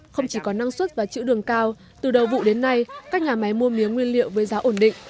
không chỉ có năng suất và chữ đường cao từ đầu vụ đến nay các nhà máy mua mía nguyên liệu với giá ổn định